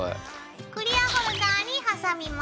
クリアホルダーに挟みます。